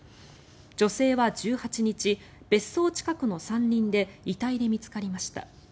女性は１８日、別荘近くの山林で遺体で見つかりました。